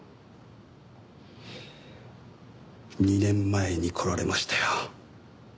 ２年前に来られましたよ。